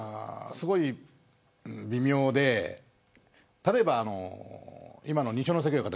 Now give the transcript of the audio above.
すごく微妙で例えば今の二所ノ関親方。